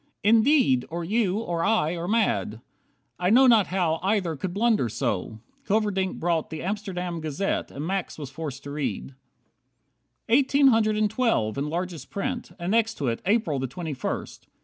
Indeed, Or you, or I, are mad. I know not how Either could blunder so." Hilverdink brought "The Amsterdam Gazette", and Max was forced to read. 57 "Eighteen hundred and twelve," in largest print; And next to it, "April the twenty first."